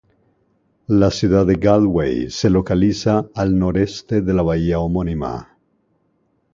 La ciudad de Galway se localiza al noreste de la bahía homónima.